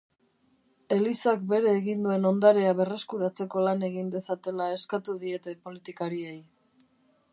Elizak bere egin duen ondarea berreskuratzeko lan egin dezatela eskatu diete politikariei